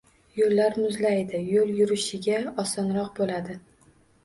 Yoʻllar muzlaydi, yoʻl yurishiga osonroq boʻladi.